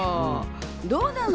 どうなの？